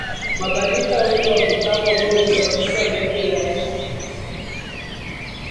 mabadiliko ya umri wa kustaafu ambao ulishababisha maelfu ya raia